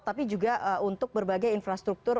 tapi juga untuk berbagai infrastruktur